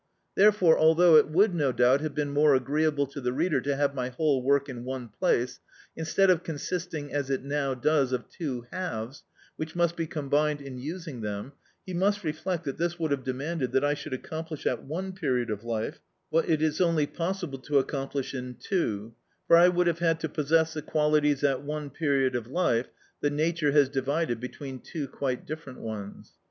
Therefore, although it would, no doubt, have been more agreeable to the reader to have my whole work in one piece, instead of consisting, as it now does, of two halves, which must be combined in using them, he must reflect that this would have demanded that I should accomplish at one period of life what it is only possible to accomplish in two, for I would have had to possess the qualities at one period of life that nature has divided between two quite different ones.